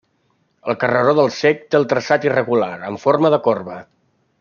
El carreró del Cec té el traçat irregular, en forma de corba.